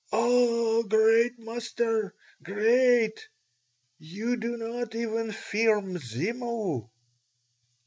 "Oh, great master! great! You do not even fear Mzimu!"